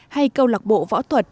hay câu lạc bộ võ thuật